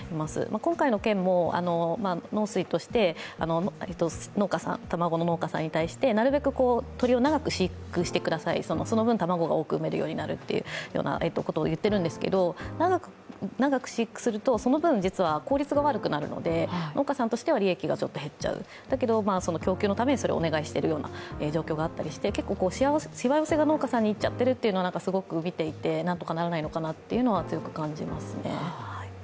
今回の件も、農水として卵の農家さんに対してなるべく鶏を長く飼育してください、その分、卵が多く産めるようになると言ってますが、長く飼育すると、その分、実は効率が悪くなるので農家さんとしては利益がちょっと減っちゃう、だけど供給のためにそれをお願いしている状況があったりして結構しわ寄せが農家さんにいっちゃっているというのはすごく見ていて、何とかならないのかなと強く感じますね。